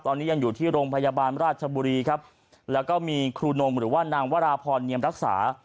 ตอนนี้ยังอยู่ที่โรงพยาบาลราชบุรีครับแล้วก็มีครูนงหรือว่านางวราพรเนียมรักษา